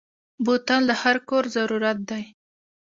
بوتل د هر کور ضرورت دی.